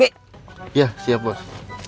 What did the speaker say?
iya siap bos